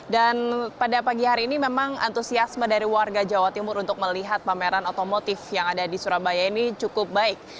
dan pada pagi hari ini memang antusiasme dari warga jawa timur untuk melihat pameran otomotif yang ada di surabaya ini cukup baik